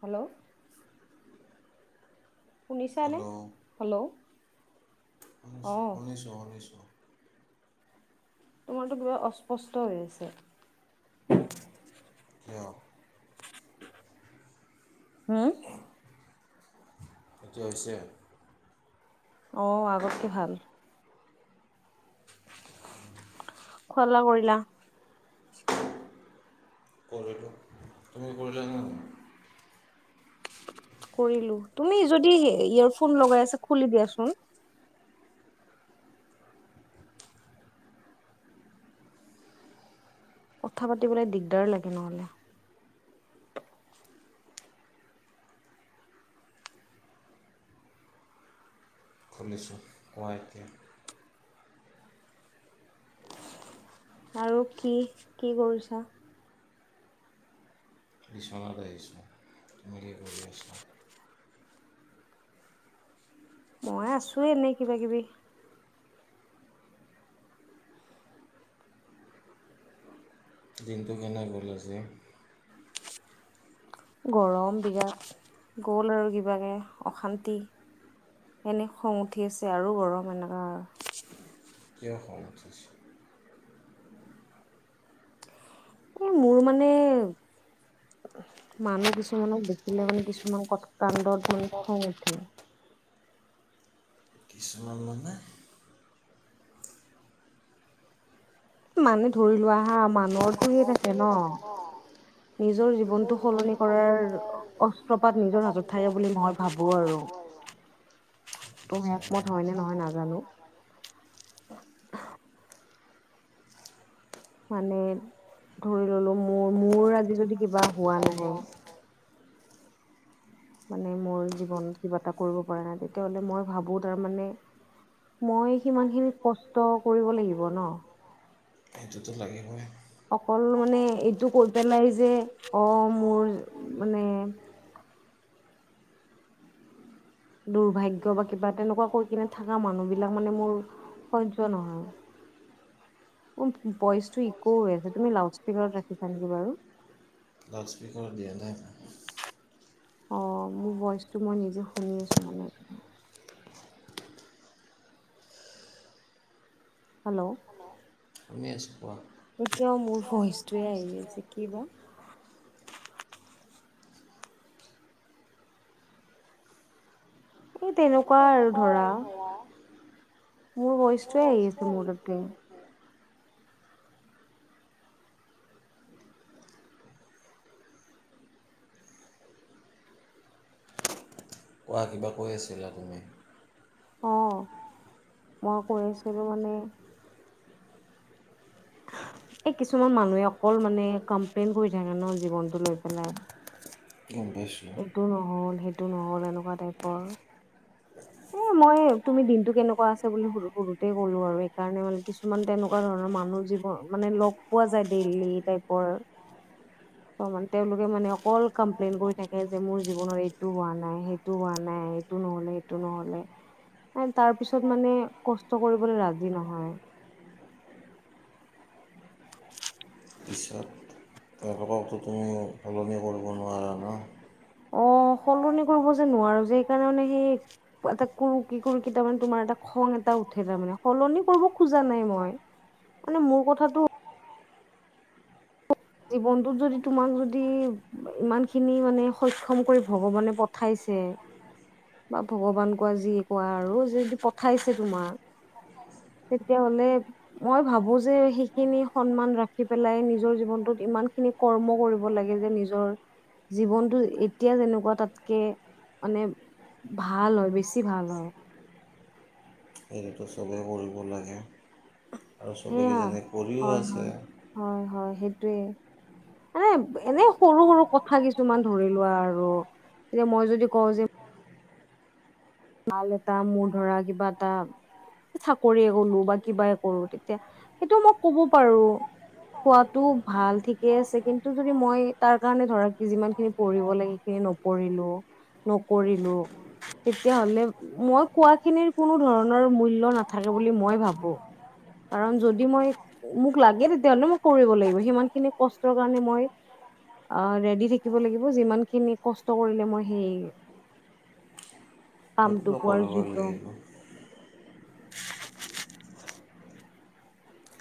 Hello শুনিছা নে hello hello. অঁ [unintelligible] তোমাৰটো কিবা অস্পষ্ট হৈ আছে। কিয়। হম। এতিয়া হৈছে। অঁ আগতকে ভাল। খুৱা লোৱা কৰিলা। কৰিলো তুমি কৰিলা ন। কৰিলো, তুমি যদি ইয়েৰফোন লগাই আছা খুলি দিয়াচোন। কথা পাতিবলৈ দিগদাৰ লাগে নহ'লে। খুলিছোঁ কোৱা এতিয়া। আৰু কি- কি কৰিছা। বিছনাত আহিছোঁ, তুমি কি কৰি আছা। মই আছো এনেই কিবা কিবি। দিনটো কেনে গ'ল আজি। গৰম বিৰাট, গ'ল আৰু কিবাকে অশান্তি এনে খং উঠি আছে আৰু গৰম এনেকুৱা আৰু। কিয় খং উঠিছে। এ মোৰ মানে মানুহ কিছুমানক দেখিলে মানে কিছুমান কথ কাণ্ডত ত মানে খং উঠে। কিছুমান মানে। মানে ধৰি লোৱা হা, মানৰ [unintelligible] নিজৰ জীৱনটো সলনি কৰাৰ অস্ত্ৰপাত নিজৰ হাতত থাকে অস্ত্ৰ বুলি মই ভাবো পাত আৰু নিজৰ [unintelligible] তুমি একমত হয় নে মই নহয় নাজানো ভাবো আৰু [unintelligible] মানে ধৰি ল'লো মোৰ-মোৰ আজি যদি কিবা হোৱা নাই মানে মোৰ জীৱনত কিবা এটা কৰিব পৰা নাই তেতিয়াহ'লে মই ভাবো তাৰ মানে মই সিমানখিনি কষ্ট কৰিব লাগিব ন। সেইটোটো লাগিবই। অকল মানে এইটো কৈ পেলাই যে অ' মোৰ মানে দুৰ্ভাগ্য বা কিবা তেনেকুৱা কৈ কিনে থকা মানুহ বিলাক মানে মোৰ সহ্য নহয়, মোৰ ভইচটো ইকো হৈ আছে তুমি লাউড স্পীকাৰত ৰাখিছা নেকি বাৰু। লাউড স্পীকাৰ দিয়া নাই অঁ মোৰ ভইচটো মই নিজে শুনি আছো মানে। হেল্ল' শুনি আছো। এতিয়া মোৰ ভইচটোৱে আহিছে, কি বা। এ তেনেকুৱা আৰু ধৰা। মোৰ ভইচটোৱে আহি আছে মোৰ তাতে। কোৱা কিবা কৈ আছিলা তুমি। অ', মই কৈ আছিলোঁ মানে এই কিছুমান মানুহে অকল মানে কমপ্লেইন কৰি থাকে ন জীৱনটো লৈ পেলাই। গম পাইছোঁ এইটো নহ'ল সেই সেইটো নহ'ল এনেকুৱা টাইপৰ, এ মই তুমি দিনটো কেনেকুৱা আছে বুলি সুধোতেই ক'লো আৰু সেকাৰণে মানে কিছুমান তেনেকুৱা ধৰণৰ মানুহ যিব মানে লগ পোৱা যায় ডেইলি টাইপৰ ত' মানে তেওঁলোকে মানে অকল কমপ্লেইন কৰি থাক এ যে মোৰ জীৱনৰ এইটো হোৱা নাই, সেইটো হোৱা নাই এইটো নহ'লে, সেইটো নহ'লে তাৰ পিছত মানে কষ্ট কৰিবলৈ ৰাজি নহয়। পিছত, তেওঁককটো তুমি সলনি কৰিব নোৱাৰা ন'। অ', সলনি কৰিব যে নোৱাৰো যে সেইকাৰণে মানে সেই এটা কিবা এটা কৰোঁ, কি কৰোঁ তাৰমানে তোমাৰ এটা খং এটা উঠে তাৰ মানে, সলনি কৰিব খোজা নাই মই, মানে মোৰ কথাটো জীৱনটোত যদি তোমাক যদি ইমানখিনি মানে সক্ষম কৰি ভগৱানে পঠাইছে বা ভগৱান কোৱা যি কোৱা আৰু যে যদি পঠাইছে তোমাক তেতিয়াহ'লে মই ভাবো যে সেইখিনি সন্মান ৰাখি পেলাই নিজৰ জীৱনটোত ইমানখিনি কৰ্ম কৰিব লাগে যে নিজৰ জীৱনটো এতিয়া যেনেকুৱা তাতকে মানে ভাল হয়, বেছি ভাল হয়। সেইটোতো চবেই কৰিব লাগে। আৰু চবেই সেয়া কিজানি কৰিও আছে। টোৱে মানে এনেই সৰু, সৰু কথা কিছুমান ধৰি লোৱা আৰু এতিয়া মই যদি কওঁ যে ভাল এটা মোৰ ধৰা কিবা এটা চাকৰিয়ে গ'লো বা কিবাই কৰোঁ তেতিয়া সেইটো মই ক'ব পাৰোঁ কোৱাটো ভাল ঠিকে আছে কিন্তু যদি মই তাৰ কাৰণে ধৰা যিমানখিনি পঢ়িব লাগে সেই নপঢ়িলো নকৰিলো সে তেতিয়াহ'লে মই কোৱাখিনিৰ কোনো ধৰণৰ মূল্য নাথাকে বুলি মই ভাবো কাৰণ যদি মই মোক লাগে তেতিয়াহ'লে মই কৰিব লাগিব সিমানখিনি কষ্টৰ কাৰণে মই অহ, ৰেডি থাকিব লাগিব যিমানখিনি কষ্ট কৰিলে মই সেই কামটো সেইটোতো পোৱাৰ কৰিব যোগ্য। লাগিব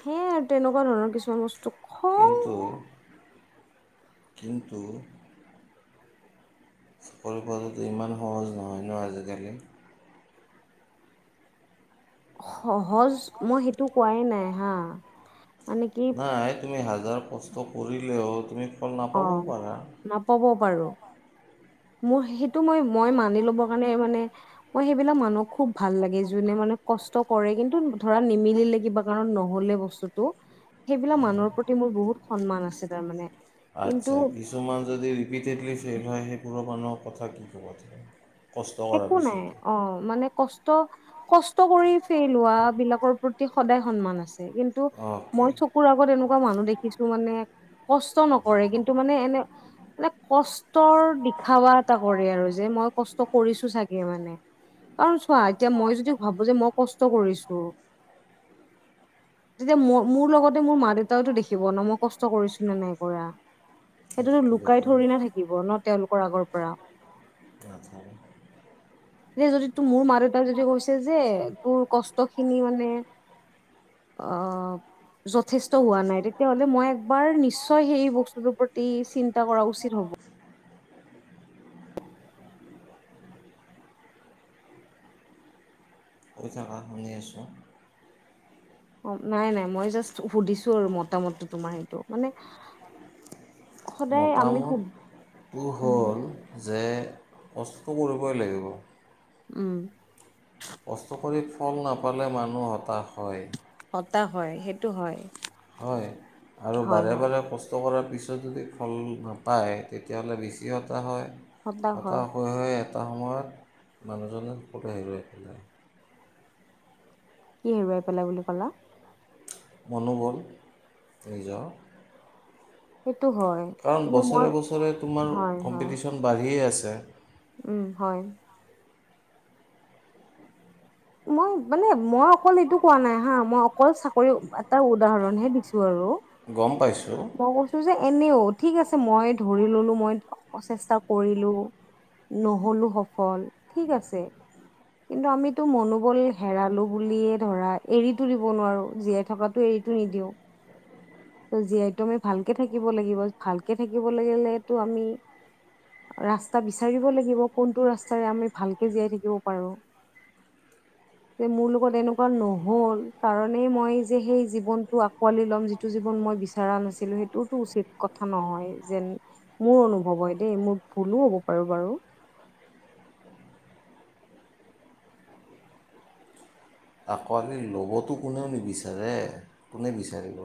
সেই আৰ তেনেকুৱা ধৰণৰ কিছুমান বস্তু খং কিন্তু কিন্তু চাকৰি পোৱাটোতো ইমান সহজ নহয় ন আজিকালি। সহজ, মই সেইটো কোৱাই নাই হা। মানে কি নাই তুমি হাজ জাৰ কষ্ট কৰিলেও তুমি ফল নাপাবও পাৰা। ও পাৰো। মোৰ সেইটো মই মই মানি ল'ব কাৰণে মানে, মই সেইবিলাক মানুহক খুব ভাল লাগে যোনে মানে কষ্ট কৰে কিন্তু ধৰা নিমিলিলে কিবা কাৰণ নহলে বস্তুটো, সেইবিলাক মানুহৰ প্ৰতি মোৰ বহুত সন্মান আছে তাৰ মানে। আচ্ছা, কিছুমান যদি ৰিপিটেডলি ফেইভ হয় সেই বোৰৰ মানুহৰ কথা কি ক'বা তুমি? কষ্ট কৰাৰ একো নাই পিছতো অ', মানে কষ্ট কষ্ট কৰি ফেই হোৱা বিলাকৰ প্ৰতি সদায় সন্মান আছে কিন্ তু অ'কে মই চকুৰ আগত এনেকু ৱা মানুহ দেখিছো মানে কষ্ট নকৰে, কিন্তু মানে এনে মানে কষ্টৰ দিখাবা এটা কৰে আৰু যে মই কষ্ট কৰিছো চাগে মানে। কাৰণ চোৱা এতিয়া মই যদি ভাবো যে মই কষ্ট কৰিছো, তেতিয়া ম মোৰ লগতে মোৰ মা দেউতাইতো দেখিব ন' মই কষ্ট কৰিছো নে নাই কৰা। সেইটোতো লুকাই থৰি না থাকিব ন' তেওঁলোকৰ আগৰ পৰা। নাথাকে যে যদি তো মোৰ মা দেউতাক যদি কৈছে যে তোৰ কষ্ট খিনি মানে আহ যথেষ্ট হোৱা নাই, তেতিয়াাহলে মই একবাৰ নিশ্চয় সেই বস্তুটোৰ প্ৰতি চিন্তা কৰা উচিত হ'ব। কৈ থা, শুনি আছোঁ। অ', নাই নাই মই জাষ্ট সুধিছো আৰু মতামতটো তোমাৰ, সেইটো মানে সদায় আমি সু মতামতটো উম হ'ল যে কষ্ট কৰিবই লাগিব। উম। কষ্ট কৰিত ফল নাপালে মানুহ হতাশ হয়। হতাশ হয় সেইটো হয়। হয় আৰু হয় বাৰে হয় বাৰে কষ্ট কৰাত পিছত যদি ফল নাপায় তেতিয়াহ'লে বেছি হতা হয়। হতাশ হৈ হৈ এ এটা সময়ত মানুহজনে বহুত হেৰুৱাই পেলাই। কি হেৰুৱাই পেলা বুলি ক'লা? মনোবল নিজৰ। সেইটো হয় কাৰণ কিন্তু মই বছৰে বছৰে তোমাৰ হয় হয় কম্পিটিশ্যন বাঢ়িয়ে আছে। যে উম হয়। মই মানে মই অকল এইটো কোৱা নাই হা মই অকল চাকৰি এটা উদাহৰণ হে দিছোঁ আৰু। গম পাইছোঁ মই কৈছোঁ যে এনেও ঠিক আছে মই ধৰি ল'লোঁ মই পচেষ্টা কৰিলোঁ নহ'লো সফল ঠিক আছে কিন্তু আমি টো মনোবল হেৰালো বুলিয়ে ধৰা এৰিতটো দিব নোৱাৰো জীয়াই থকাতো এৰিতটো নিদিও, ত জীয়াইতো আমি ভালকে থাকিব লাগিব ভালকে থাকিব লাগিলেতো আমি ৰাস্তা বিচাৰিব লাগিব কোনটো ৰাস্তাৰে আমি ভালকে জীয়াই থাকিব পাৰো। যে মোৰ লগত এনেকুৱা নহ'ল, কাৰণেই মই যে সেই জীৱনটো আঁকোৱালি ল'ম। যিটো জীৱন মই বিচৰা নাছিলোঁ। সেইটোওতো উচিত কথা নহয়, যেন মোৰ অনুভৱ হয় দেই মোৰ ভুলো হ'ব পাৰো বাৰু। আঁকোৱালি ল'বতো কোনেও নিবিচাৰে, কোনে বিচাৰিব?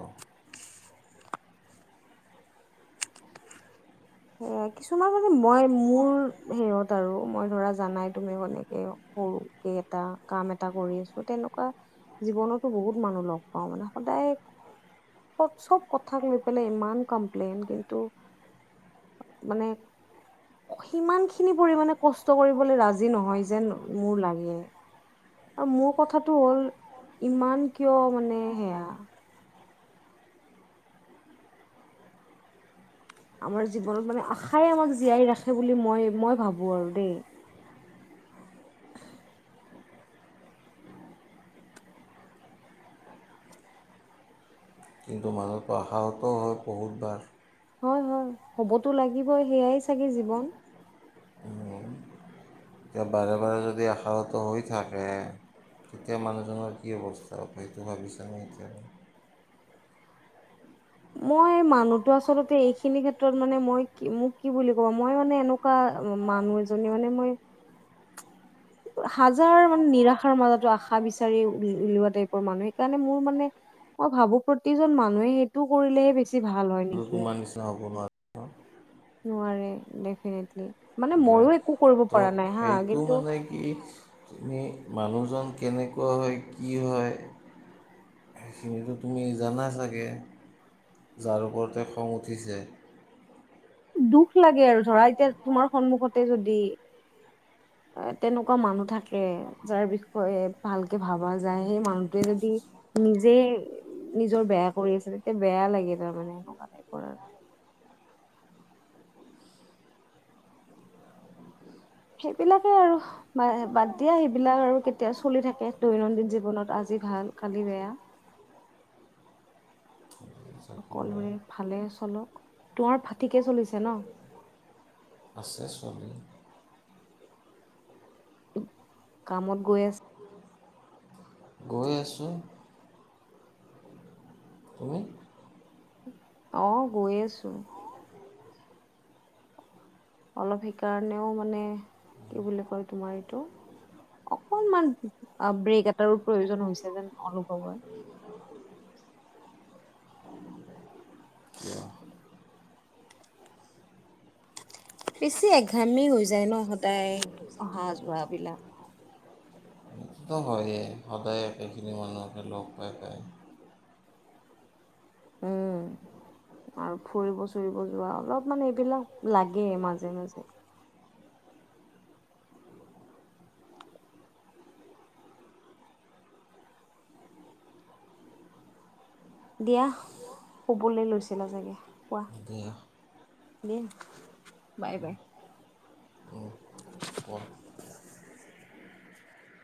কিছুমান মানে মই মোৰ হেইহত আৰু মই ধৰা জানাই তুমি এনেকে সৰুকে এটা কাম এটা কৰি আছোঁ। তেনেকুৱা জীৱনতো বহুত মানুহ লগ পাওঁ, মানে সদায় চ'ব কথাক লৈ পেলাই ইমান কমপ্লেইন কিন্তু। মানে সিমান খিনি পৰিমানে কষ্ট কৰিবলৈ ৰাজি নহয়। যেন মোৰ লাগে আৰু মোৰ কথাটো হ'ল ইমান কিয় মানে সেয়া আমাৰ জীৱনত মানে আশাই আমাক জীয়াই ৰাখে বুলি মই মই ভাবোঁ আৰু দেই। কিন্তু, মানুহক পঢ়াওঁতে হ'ল বহুতবাৰ হয়, হয় হ'বটো লাগিবই সেয়াই চাগে জীৱন। এতিয়া বাৰে বাৰে যদি আশাহত হৈ থাকে। তেতিয়া মানুহজনৰ কি অৱস্থা সেইটো ভাবিছানে এতিয়া? মই মানুহতো আচলতে এইখিনি ক্ষেত্ৰত মানে মই মোক কি বুলি ক'ব, মই মানে এনেকুৱা মানুহ এজনী মানে মই হাজাৰ মানে নিৰাশাৰ মাজতো আশা বিচাৰি উলিওৱা টাইপৰ মানুহ। সেইকাৰণে মোৰ মানে মই ভাবোঁ, প্ৰতিজন মানুহে সেইটোক কৰিলে বেছি বেছি ভাল হয় নেকি? তোমাৰ নিচিনা হ'ব নোৱাৰে নোৱাৰে ডেফিনেটলি মানে ময়ো একো কৰিব তো পৰা নাই হা সেইটো কিন্তু মানে কি তুমি মানুহজন কেনেকুৱা হয়, কি হয়, সেইখিনিতো তুমি জানা চাগৈ যাৰ ওপৰতে খং উঠিছে। দুখ লাগে আৰু ধৰা এতিয়া তোমাৰ সন্মুখতে যদি তেনেকুৱা মানুহ থাকে যাৰ বিষয়ে ভালকে ভাবা যায়। সেই মানুহটোৱে যদি নিজে নিজৰ বেয়া কৰি আছে। তেতিয়া বেয়া লাগে তাৰমানে এনেকুৱা টাইপৰ আৰু সেইবিলাকে আৰু বাদ দিয়া সেইবিলাক আৰু কেতিয়া চলি থাকে দৈনন্দিন জীৱনত আজি ভাল, কালি বেয়া। সকলোবৰে ভালে চলক তোমাৰ ভাটিকে চলিছে ন দেৰশ হ'লে কামত গৈ আছে। গৈ আছোঁ তুমি অহ' গৈ আছোঁ। অলপ সেইকাৰণেও মানে কি বুলি কয় তোমাৰ এইটো অকনমান ব্ৰেক এটাৰো প্ৰয়োজন হৈছে যেন অনুভৱ হয়। কিয় বেছি এঘামি হৈ যায় ন' সদায় অহা-যোৱাবিলাক। সেইটো হয়েই, সদায় একেখিনি মানুহকে লগ পাই-পাই। উম আৰু ফুৰিব চুৰিব যোৱা অলপ মানে এইবিলাক লাগে মাজে - মাজে। দিয়া। শুবলৈ লৈছিলা চাগে। শোৱা। দিয়া, বাই - বাই। সদায়